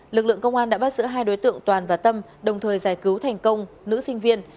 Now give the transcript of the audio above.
lực lượng công an đã bắt giữ hai đối tượng toàn và tâm đồng thời giải cứu thành công nữ sinh viên